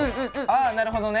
ああなるほどね。